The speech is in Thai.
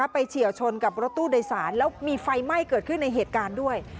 เฉียวชนกับรถตู้โดยสารแล้วมีไฟไหม้เกิดขึ้นในเหตุการณ์ด้วย